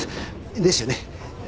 ですよね。